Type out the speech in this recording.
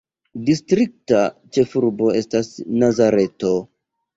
Distrikta ĉefurbo estas Nazareto.